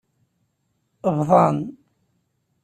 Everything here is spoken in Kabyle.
Bḍan.